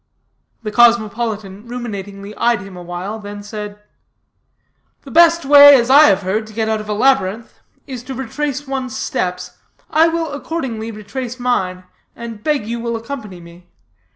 The cosmopolitan ruminatingly eyed him awhile, then said: "The best way, as I have heard, to get out of a labyrinth, is to retrace one's steps. I will accordingly retrace mine, and beg you will accompany me.